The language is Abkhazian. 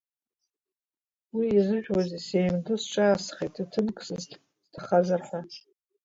Уи иазыжәуазеи, сеимдо сҿаасхеит, ҭаҭынк сызҭахазар ҳәа.